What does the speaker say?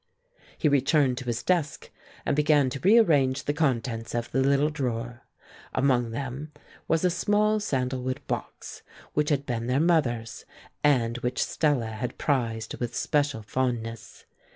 He returned to his desk and began to rearrange the contents of the little drawer. Among them was a small sandalwood box which had been their mother's, and which Stella had prized with special fondness.